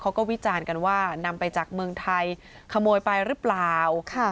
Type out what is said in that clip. วิจารณ์กันว่านำไปจากเมืองไทยขโมยไปหรือเปล่า